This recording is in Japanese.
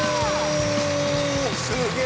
すげえ！